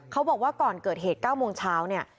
เขาบอกว่าก่อนเกิดเหตุเก้าโมงเช้า